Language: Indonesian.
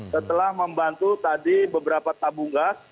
setelah membantu tadi beberapa tabung gas